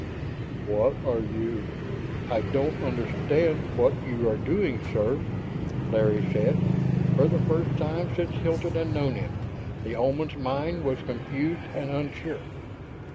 "What are you ... I don't understand what you are doing, sir," Larry said. For the first time since Hilton had known him, the Oman's mind was confused and unsure.